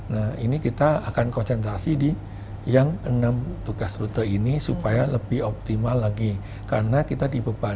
nah ini kita akan konsentrasi di yang enam tugas rute ini supaya lebih optimal lagi karena kita dibebani